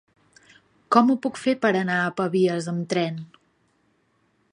Com ho puc fer per anar a Pavies amb tren?